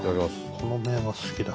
この麺は好きだ。